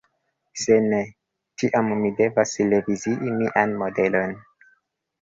Se ne, tiam mi devas revizii mian modelon.